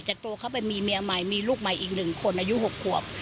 แต่ตัวเขาไปมีเมียใหม่มีลูกใหม่อีก๑คนอายุ๖ขวบ